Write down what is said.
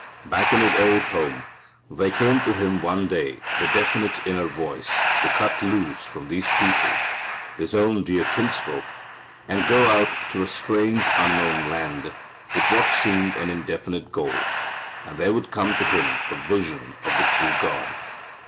Back in his old home there came to him one day the definite inner voice to cut loose from these people, his own dear kinsfolk, and go out to a strange unknown land, with what seemed an indefinite goal, and there would come to him a vision of the true God.